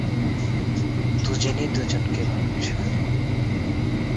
দুজনেই দুজনকে ভালবেসে ফেলে।